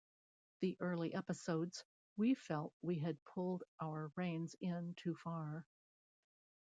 In the early episodes, we felt we had pulled our reins in too far.